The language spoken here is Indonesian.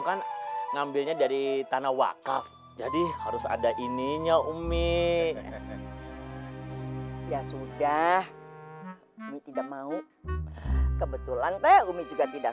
kan ngambilnya dari tanah wakaf jadi harus ada ininya umi ya sudah ini tidak mau kebetulan teh